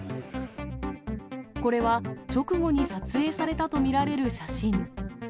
これは直後に撮影されたとみられる写真。